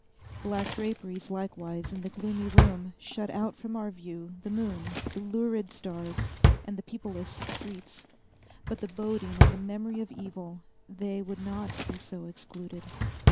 Black draperies, likewise, in the gloomy room, shut out from our view the moon, the lurid stars, and the peopleless streets—but the boding and the memory of Evil, they would not be so excluded.